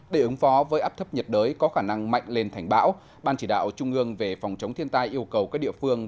để ứng phó với áp thấp nhiệt đới có khả năng mạnh lên thành bão ban chỉ đạo trung ương về phòng chống thiên tai yêu cầu các địa phương